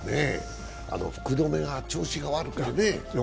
福留が調子が悪くてね。